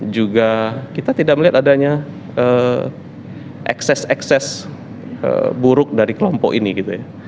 juga kita tidak melihat adanya ekses ekses buruk dari kelompok ini gitu ya